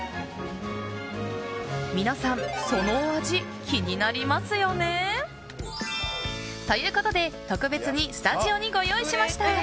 皆さん、そのお味気になりますよね？ということで、特別にスタジオにご用意しました。